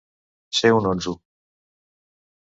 Ser un onso.